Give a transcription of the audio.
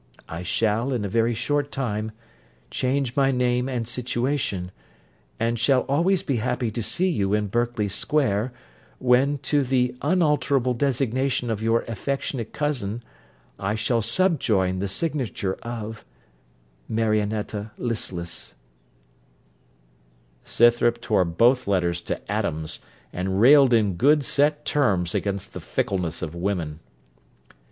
I shall, in a very short time, change my name and situation, and shall always be happy to see you in Berkeley Square, when, to the unalterable designation of your affectionate cousin, I shall subjoin the signature of MARIONETTA LISTLESS Scythrop tore both the letters to atoms, and railed in good set terms against the fickleness of women.